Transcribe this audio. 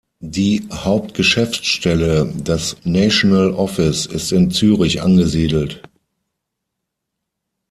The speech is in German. Die Hauptgeschäftsstelle, das National Office, ist in Zürich angesiedelt.